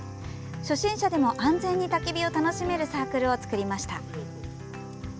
初心者でも安全にたき火を楽しめるサークルを作りました。